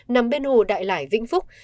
nằm bên hồ đại lải vĩnh phúc